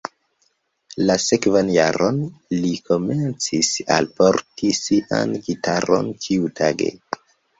La sekvan jaron, li komencis alporti sian gitaron ĉiutage.